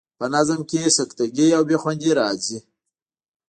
په نظم کې سکته ګي او بې خوندي راځي.